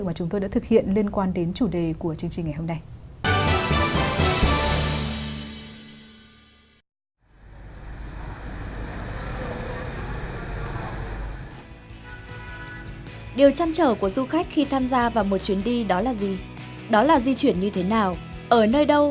mà chúng tôi đã thực hiện liên quan đến chủ đề của chương trình ngày hôm nay